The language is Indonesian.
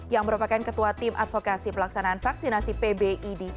yang merupakan ketua tim advokasi pelaksanaan vaksinasi pbid